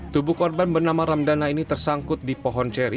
tubuh korban bernama ramdana ini tersangkut di pohon ceri